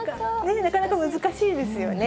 なかなか難しいですよね。